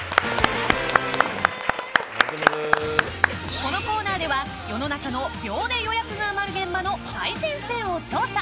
このコーナーでは世の中の秒で予約が埋まる現場の最前線を調査！